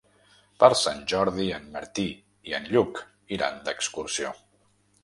Per Sant Jordi en Martí i en Lluc iran d'excursió.